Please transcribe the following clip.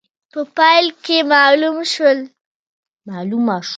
په پای کې معلومه شول.